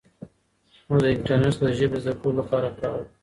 موږ له انټرنیټ څخه د ژبې زده کولو لپاره کار اخلو.